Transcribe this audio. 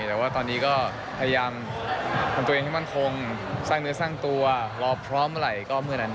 แต่ว่าตอนนี้ก็พยายามทำตัวเองให้มั่นคงสร้างเนื้อสร้างตัวรอพร้อมเมื่อไหร่ก็เมื่อนั้น